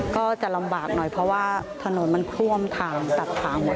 ก็จะลำบากหน่อยเพราะว่าถนนมันท่วมทางตัดทางหมด